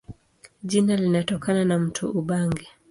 Jina linatokana na mto Ubangi.